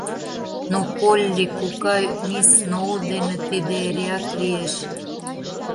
— Но, Полли кокай, мисс Сноу дене тиде эреак лиеш.